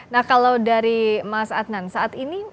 nah kalau dari mas adnan saat ini